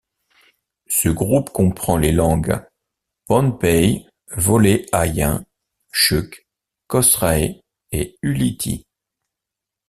Ce groupe comprend les langues pohnpei, woléaïen, chuuk, kosrae et ulithi.